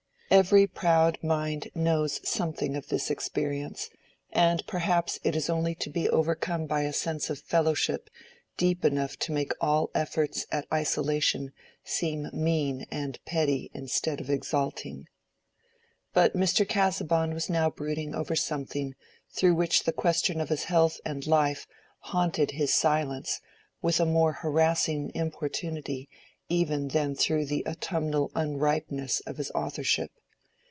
Every proud mind knows something of this experience, and perhaps it is only to be overcome by a sense of fellowship deep enough to make all efforts at isolation seem mean and petty instead of exalting. But Mr. Casaubon was now brooding over something through which the question of his health and life haunted his silence with a more harassing importunity even than through the autumnal unripeness of his authorship.